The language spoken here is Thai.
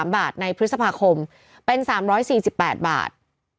๓บาทในพฤษภาคมเป็น๓๔๘บาท